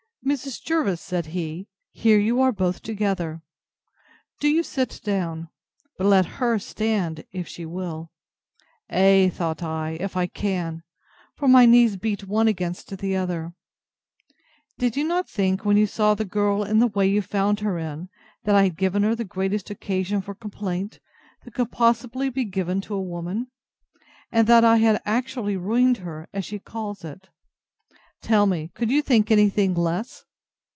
Mrs. Jervis, said he, here you are both together. Do you sit down; but let her stand, if she will. Ay, thought I, if I can; for my knees beat one against the other. Did you not think, when you saw the girl in the way you found her in, that I had given her the greatest occasion for complaint, that could possibly be given to a woman? And that I had actually ruined her, as she calls it? Tell me, could you think any thing less?